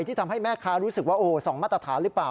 ที่ทำให้แม่ค้ารู้สึกว่าส่องมาตรฐานหรือเปล่า